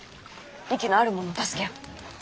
息のある者を助けよ。